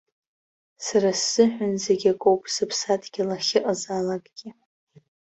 Сара сзыҳәан зегь акоуп сыԥсадгьыл ахьыҟазаалакгьы.